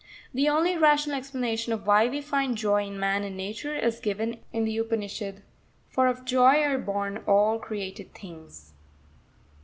The only rational explanation of why we find joy in man and nature is given in the Upanishad: For of joy are born all created things.